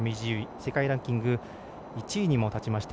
世界ランキング１位にも立ちました。